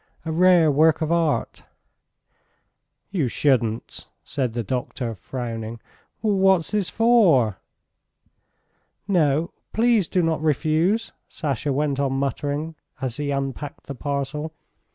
. A rare work of art." "You shouldn't!" said the doctor, frowning. "What's this for!" "No, please do not refuse," Sasha went on muttering as he unpacked the parcel.